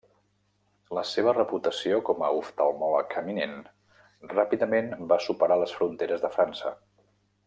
La seva reputació com a oftalmòleg eminent ràpidament va superar les fronteres de França.